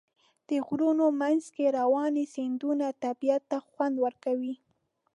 د غرونو منځ کې روانې سیندونه طبیعت ته خوند ورکوي.